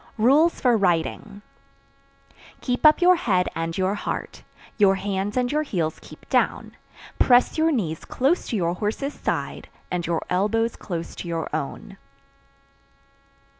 Rules for Riding. Keep up your head and your heart, Your hands and your heels keep down, Press your knees close to your horse's side, And your elbows close to your own.